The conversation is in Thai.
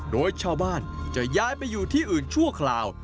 โดยชาวบ้านจะย้ายไปอยู่ที่อื่นชั่วคราว